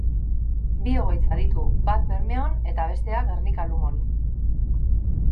Bi egoitza ditu, bat Bermeon eta bestea Gernika-Lumon.